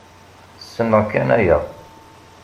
Snneɣ kan aya.